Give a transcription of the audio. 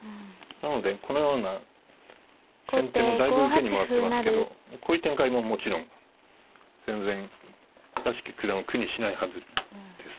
なのでこのような先手もだいぶ受けに回ってますけどこういう展開ももちろん全然屋敷九段は苦にしないはずです。